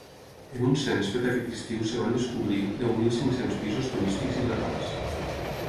En un cens fet aquest estiu es van descobrir deu mil cinc-cents pisos turístics il·legals.